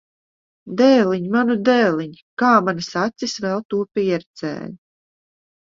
Dēliņ! Manu dēliņ! Kā manas acis vēl to pieredzēja!